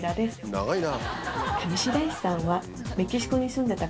長いな。